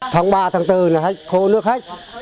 tháng ba tháng bốn khô nước hết